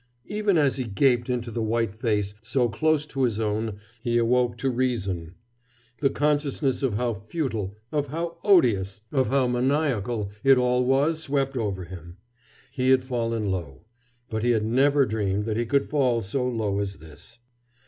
Even as he gaped into the white face so close to his own he awoke to reason. The consciousness of how futile, of how odious, of how maniacal, it all was swept over him. He had fallen low, but he had never dreamed that he could fall so low as this.